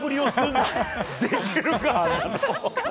できるか！